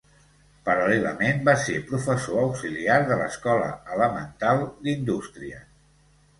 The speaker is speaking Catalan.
Paral·lelament, va ser professor auxiliar de l'Escola Elemental d'Indústries.